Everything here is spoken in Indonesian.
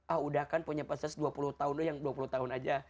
ah udah kan punya proses dua puluh tahun yang dua puluh tahun aja